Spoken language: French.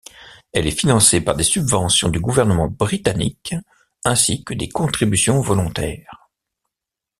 Elle est financée par des subventions du gouvernement britannique ainsi que des contributions volontaires.